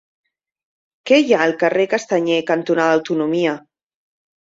Què hi ha al carrer Castanyer cantonada Autonomia?